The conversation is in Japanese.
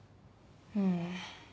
うん。